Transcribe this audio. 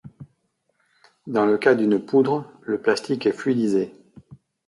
Dans le cas d’une poudre, le plastique est fluidisé.